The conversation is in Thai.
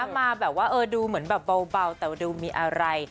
มาแบบว่าดูเหมือนแบบเบาแต่ว่าดูมีอะไร